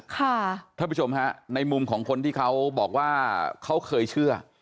ท่านผู้ชมฮะในมุมของคนที่เขาบอกว่าเขาเคยเชื่อ